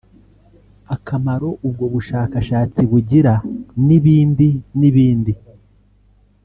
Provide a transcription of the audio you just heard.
akamaro ubwo bushakashatsi bugira n’ibindi n’ibindi